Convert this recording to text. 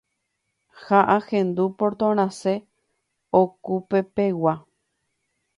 ha ahendu portón rasẽ okupepegua